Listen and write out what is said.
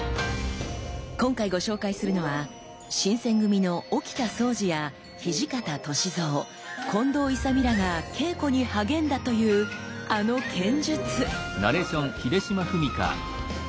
今回ご紹介するのは新選組の沖田総司や土方歳三近藤勇らが稽古に励んだというあの剣術！